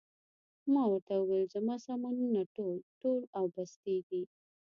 ما ورته وویل: زما سامانونه ټول، ټول او بستې دي.